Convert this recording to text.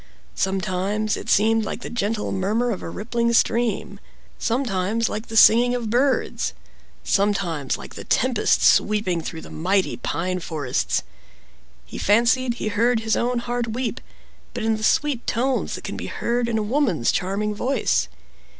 Sometimes it seemed like the gentle murmur of a rippling stream, sometimes like the singing of birds, sometimes like the tempest sweeping through the mighty pine forests, he fancied he heard his own heart weep, but in the sweet tones that can be heard in a woman's charming voice.